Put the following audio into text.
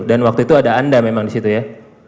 dan waktu itu ada anda memang disitu ya